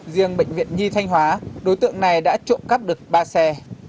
riêng bệnh viện nhi thanh hóa đối tượng này đã trộm cắp được ba xe